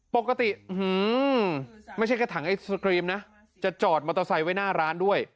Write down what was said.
ปกติไม่ใช่แค่ถังไอศกรีมนะจะจอดมอเตอร์ไซค์ไว้หน้าร้านด้วย